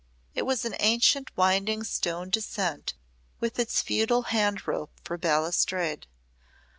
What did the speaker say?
It was an ancient winding stone descent with its feudal hand rope for balustrade.